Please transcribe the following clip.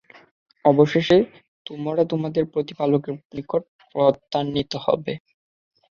অবশেষে তোমরা তোমাদের প্রতিপালকের নিকট প্রত্যানীত হবে।